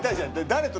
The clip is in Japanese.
誰と？